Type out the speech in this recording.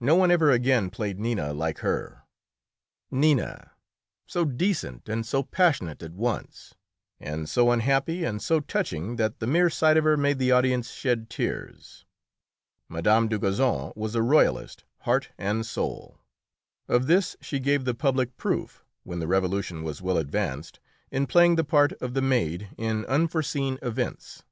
No one ever again played Nina like her Nina, so decent and so passionate at once, and so unhappy and so touching that the mere sight of her made the audience shed tears. Mme. Dugazon was a royalist, heart and soul. Of this she gave the public a proof, when the Revolution was well advanced, in playing the part of the maid in "Unforeseen Events."